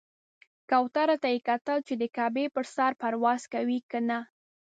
کوترو ته یې کتل چې د کعبې پر سر پرواز کوي کنه.